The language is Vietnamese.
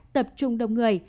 tập trung đông người